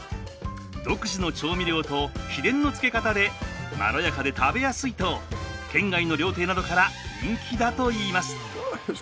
独自の調味料と秘伝の漬け方でまろやかで食べやすいと県外の料亭などから人気だといいます。